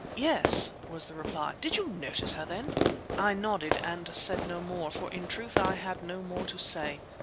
"Yes," was the reply, "did you notice her, then?" I nodded and said no more, for in truth I had no more to say.